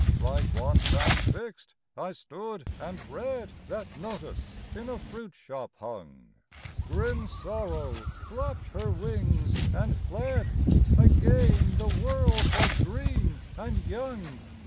Like one transfixed I stood, and read That notice in a fruit shop hung ; Grim sorrow flapped her wings and fled, — Again the world was green and young.